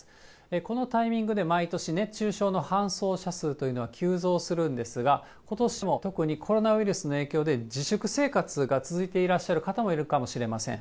このタイミングで毎年、熱中症の搬送者数というのは急増するんですが、ことしも特にコロナウイルスの影響で、自粛生活が続いていらっしゃる方もいるかもしれません。